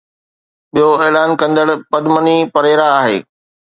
ٻيو اعلان ڪندڙ پدمني پريرا آهي.